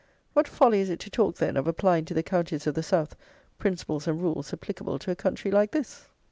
What folly is it to talk, then, of applying to the counties of the South, principles and rules applicable to a country like this!